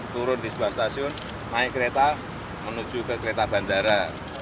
turun di sebuah stasiun naik kereta menuju ke kereta bandara